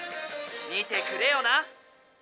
見てくれよな」。